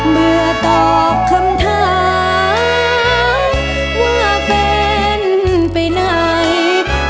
เมื่อตอบคำถามว่าเป็นไปไหน